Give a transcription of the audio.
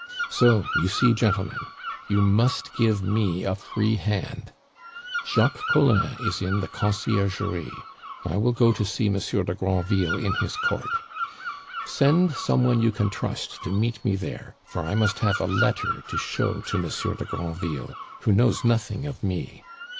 So, you see, gentlemen, you must give me a free hand. Jacques Collin is in the Conciergerie. I will go to see Monsieur de Granville in his Court. Send some one you can trust to meet me there, for I must have a letter to show to Monsieur de Granville, who knows nothing of me.